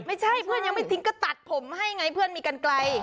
ไม่ใช่เพื่อนยังไม่ทิ้งก็ตัดผมให้ไงเพื่อนมีกันไกล